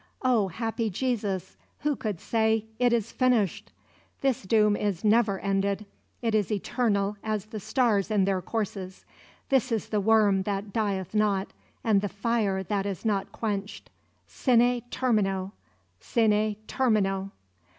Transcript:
Oh, happy Jesus, Who could say: "It is finished!" This doom is never ended; it is eternal as the stars in their courses. This is the worm that dieth not and the fire that is not quenched. "Sine termino, sine termino!"